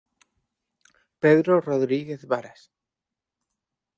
Pedro Rodríguez Varas.